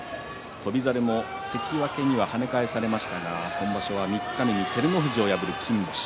翔猿は関脇に跳ね返されましたけども三日目に照ノ富士を破る金星。